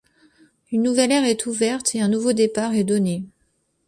Une nouvelle ère est ouverte et un nouveau départ est donné.